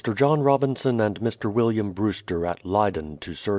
John Robinson and Mr. IVilliatn Brewster at Leyden to Sir.